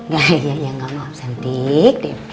gak mau absentik deh